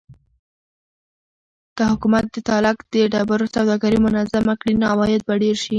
که حکومت د تالک د ډبرو سوداګري منظمه کړي نو عواید به ډېر شي.